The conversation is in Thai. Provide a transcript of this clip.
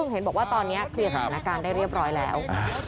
เห็นบอกว่าตอนนี้เคลียร์สถานการณ์ได้เรียบร้อยแล้ว